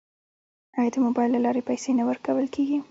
آیا د موبایل له لارې پیسې نه ورکول کیږي؟